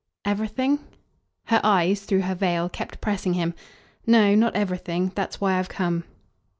"Everything?" Her eyes, through her veil, kept pressing him. "No not everything. That's why I've come."